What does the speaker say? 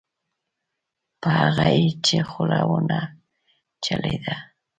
په هغه یې چې خوله ونه چلېده.